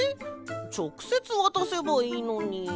ちょくせつわたせばいいのに。